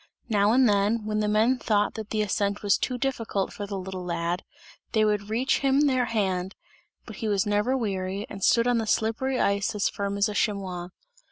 Now and then, when the men thought that the ascent was too difficult for the little lad, they would reach him their hand, but he was never weary and stood on the slippery ice as firm as a chamois.